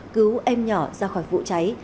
cứu em nhỏ ra khỏi vụ cháy